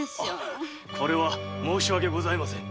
あこれは申し訳ございません。